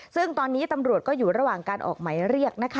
ซึ่งตอนนี้ตำรวจก็อยู่ระหว่างการออกหมายเรียกนะคะ